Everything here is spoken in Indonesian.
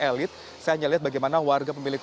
elit saya hanya lihat bagaimana warga pemilik